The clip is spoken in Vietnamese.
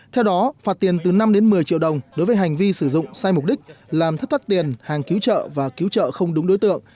theo đó phạt tiền từ năm đến một mươi triệu đồng đối với hành vi sử dụng sai mục đích làm thất thoát tiền hàng cứu trợ và cứu trợ không đúng đối tượng